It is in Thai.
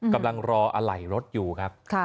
กำลังรออะไหล่รถอยู่ครับ